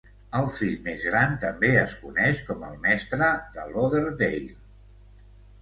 El fill més gran també es coneix com el Mestre de Lauderdale.